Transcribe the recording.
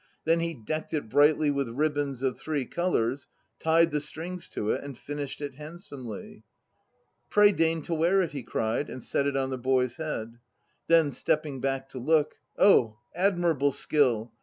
Then he decked it brightly with ribbons of three colours, Tied the strings to it and finished it handsomely. "Pray deign to wear it," he cried, and set it on the boy's head. Then, stepping back to look, "Oh admirable skill